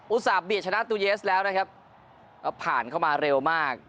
ส่าหเบียดชนะตูเยสแล้วนะครับก็ผ่านเข้ามาเร็วมาก